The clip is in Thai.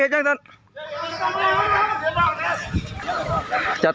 จัดกระบวนพร้อมกันพร้อมกัน